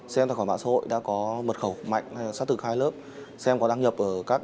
xem tài khoản mạng xã hội đã có mật khẩu mạnh hay xác thực hai lớp